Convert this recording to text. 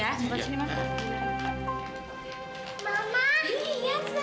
ya simpan sini mas